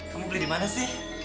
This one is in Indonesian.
kamu beli di mana sih